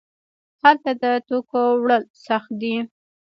هلته د توکو وړل سخت دي.